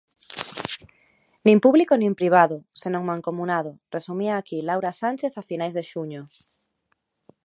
Nin público nin privado, senón mancomunado, resumía aquí Laura Sánchez a finais de xuño.